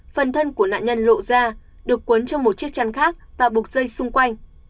phần thân của nạn nhân lộ ra được cuốn trong một chiếc chăn khác và buộc dây xung quanh